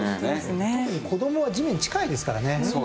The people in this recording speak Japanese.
特に子供は地面に近いですからね。